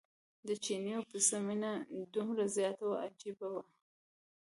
د چیني او پسه مینه دومره زیاته وه عجیبه وه.